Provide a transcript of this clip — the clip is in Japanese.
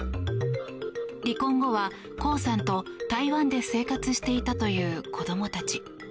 離婚後はコウさんと台湾で生活していたという子どもたち。